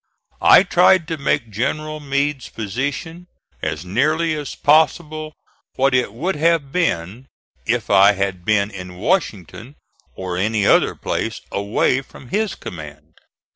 I tried to make General Meade's position as nearly as possible what it would have been if I had been in Washington or any other place away from his command.